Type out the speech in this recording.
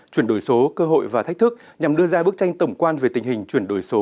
chuyển đổi số cơ hội và thách thức nhằm đưa ra bức tranh tổng quan về tình hình chuyển đổi số